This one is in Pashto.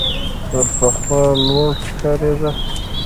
تر پخوا لوړ ښکارېده .